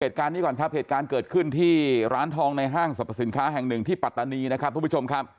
เหตุการณ์นี้ก่อนครับเหตุการณ์เกิดขึ้นที่ร้านทองในห้างสรรพสินค้าแห่งหนึ่งที่ปัตตานีนะครับทุกผู้ชมครับ